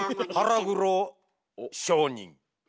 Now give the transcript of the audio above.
「腹黒商人」。